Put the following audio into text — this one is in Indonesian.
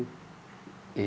dikenal sebagai cina benteng